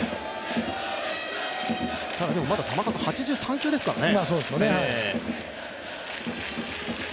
ただ、球数８３球ですからね。